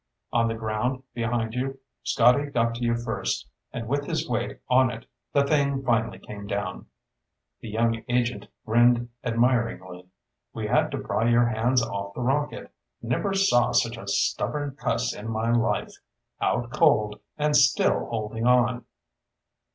"On the ground behind you. Scotty got to you first, and with his weight on it, the thing finally came down." The young agent grinned admiringly. "We had to pry your hands off the rocket. Never saw such a stubborn cuss in my life. Out cold, and still holding on."